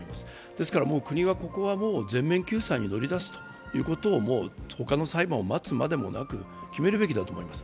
ですから国がここはもう全面救済に乗り出すということを他の裁判を待つまでもなく、決めるべきだと思います。